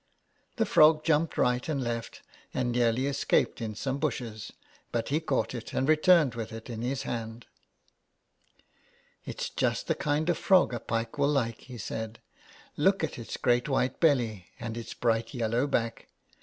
The frog jumped right and left, and nearly escaped in some bushes, but he caught it and returned with it in his hand. *' It is just the kind of frog a pike will like," he said. '' Look at its great white belly and its bright yellow back."